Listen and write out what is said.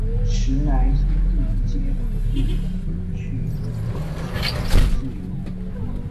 时来天地皆同力,运去英雄不自由